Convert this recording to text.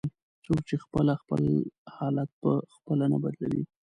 "څوک چې خپل حالت په خپله نه بدلوي".